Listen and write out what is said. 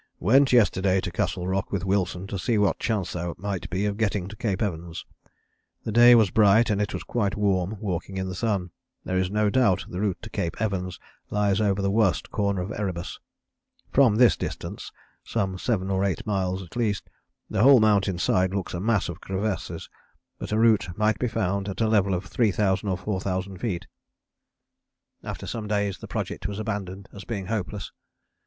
"Went yesterday to Castle Rock with Wilson to see what chance there might be of getting to Cape Evans. The day was bright and it was quite warm walking in the sun. There is no doubt the route to Cape Evans lies over the worst corner of Erebus. From this distance (some 7 or 8 miles at least) the whole mountain side looks a mass of crevasses, but a route might be found at a level of 3000 or 4000 feet." After some days the project was abandoned as being hopeless.